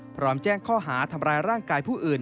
พร้อมแจ้งข้อหาทำร้ายร่างกายผู้อื่น